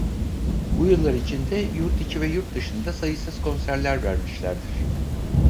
Bu yıllar içinde yurt içi ve yurt dışında sayısız konserler vermişlerdir.